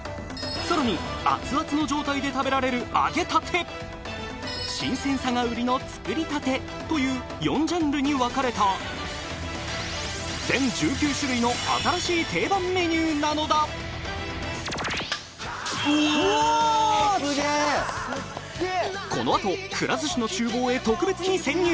さらに熱々の状態で食べられる揚げたて新鮮さが売りの作りたてという４ジャンルに分かれた全１９種類の新しい定番メニューなのだおおすげえ